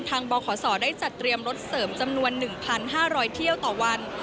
บขศได้จัดเตรียมรถเสริมจำนวน๑๕๐๐เที่ยวต่อวัน